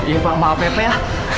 iya pak maaf ya pak ya